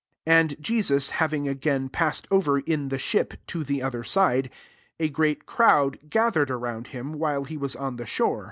^1 And Jesus having aga{|^ passed over, in the ship, to tlH|^ other side, a great crowd gfc thered around him, while lie w|i# on the shore.